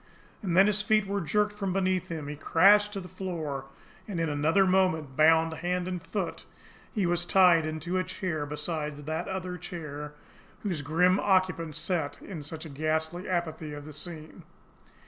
And then his feet were jerked from beneath him, he crashed to the floor, and, in another moment, bound hand and foot, he was tied into a chair beside that other chair whose grim occupant sat in such ghastly apathy of the scene.